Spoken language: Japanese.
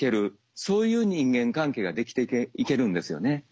そういう人間関係ができていけるんですよね。